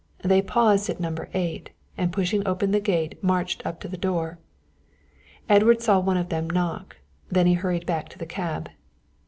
They paused at No. 8, and pushing open the gate marched up to the door. Edward saw one of them knock, then he hurried back to the cab.